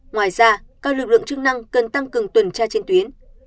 ngoài ra các lực lượng chức năng cần tăng cường tuần tra trên tuyến